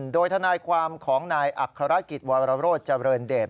โดยทนายความของนายอัครกิจวรโรธเจริญเดช